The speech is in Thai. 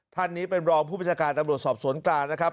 ท่านนี้เป็นรองผู้บัญชาการตำรวจสอบสวนกลางนะครับ